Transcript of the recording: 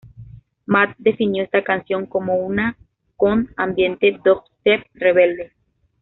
Matt definió esta canción como una con "ambiente dubstep rebelde".